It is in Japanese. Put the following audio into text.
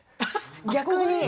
逆に。